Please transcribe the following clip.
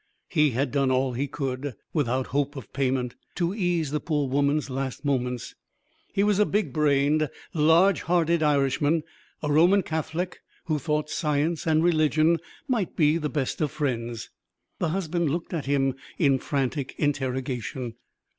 He had done all he could without hope of payment to ease the poor woman's last moments. He was a big brained, large hearted Irishman, a Roman Catholic, who thought science and religion might be the best of friends. The husband looked at him in frantic interrogation.